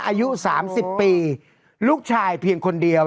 อายุ๓๐ปีลูกชายเพียงคนเดียว